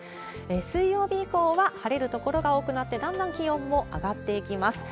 水曜日以降は晴れる所が多くなって、だんだん気温も上がっていきます。